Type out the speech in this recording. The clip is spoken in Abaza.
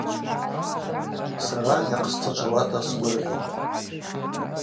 Сара йахъсцачвауата сгвыргъьун.